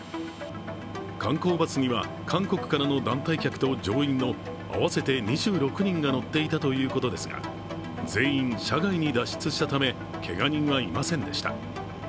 観光バスには韓国からの団体客と乗員の合わせて２６人が乗っていたということですが、全員、車外に脱出したためけが人はいませんでした。